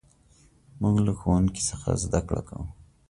موږ له ښوونکي څخه زدهکړه کوو.